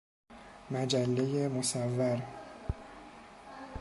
مجله مصور